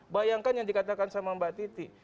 bayangkan yang dikatakan sama mbak titi